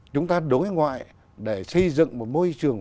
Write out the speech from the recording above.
chúng ta đối ngoại để xây dựng một môi trường